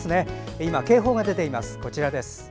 今、警報が出ています。